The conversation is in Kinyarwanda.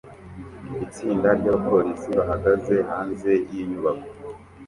Itsinda ry'abapolisi bahagaze hanze y'inyubako